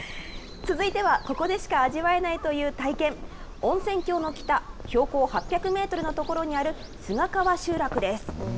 続いては、ここでしか味わえないという体験、温泉郷の北、標高８００メートルの所にある須賀川集落です。